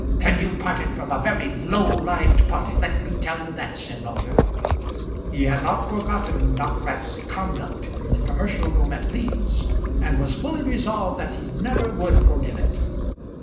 "Then you've parted from a very low lived party, let me tell you that," said Moulder. He had not forgotten Dockwrath's conduct in the commercial room at Leeds, and was fully resolved that he never would forgive it.